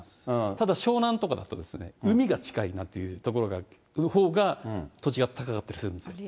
ただ湘南とかだと、海が近いなんていう所のほうが土地が高かったりするんですよ。